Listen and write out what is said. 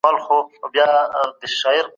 دولت باید د کوچیانو ستونزې حل کړي.